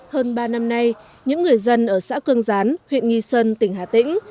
hơn ba năm nay những người dân ở xã cương gián huyện nghi xuân tỉnh hà tĩnh